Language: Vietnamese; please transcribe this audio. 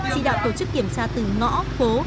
chỉ đạo tổ chức kiểm tra từ ngõ phố